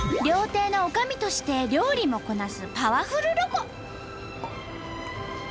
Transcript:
料亭のおかみとして料理もこなすパワフルロコ！